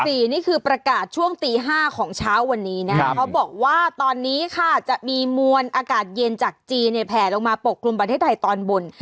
นี่คือประกาศช่วงตี๕ของเช้าวันนี้นะครับเขาบอกว่าตอนนี้ค่ะจะมีมวลอากาศเย็นจากจีนเนี่ยแผลลงมาปกกลุ่มประเทศไทยตอนบน